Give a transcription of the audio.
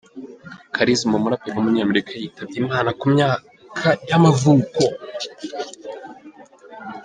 Charizma, umuraperi w’umunyamerika yitabye Imana ku myaka y’amavuko.